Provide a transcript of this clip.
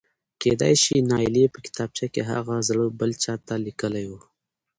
کېدای شي نايلې په کتابچه کې هغه زړه بل چاته لیکلی و.؟؟